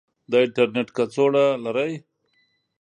د انترنیټ کڅوړه لرئ؟